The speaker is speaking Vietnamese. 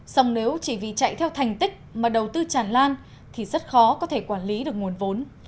xong nếu chỉ vì chạy theo thành tích mà đầu tư tràn lan thì rất khó có thể quản lý được nguồn vốn